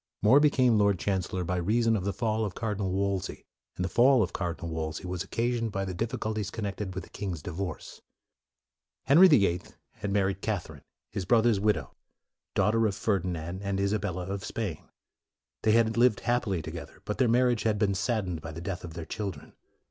More became Lord Chancellor by rea son of the fall of Cardinal Wolsey; and the fall of Cardinal Wolsey was occasioned by the difficulties connected with the king's divorce. Henry the Eighth had married Cath erine, his brother's widow, daughter of Ferdinand and Isabella of Spain. They had lived happily together, but their mar riage had been saddened by the death of their children.